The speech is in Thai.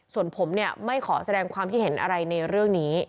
ส่วนผมเนี่ยไม่ขอแสดงความคิดเห็นอะไรในเรื่องนี้